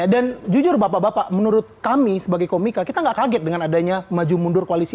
dan jujur bapak bapak menurut kami sebagai komika kita nggak kaget dengan adanya maju mundur koalisi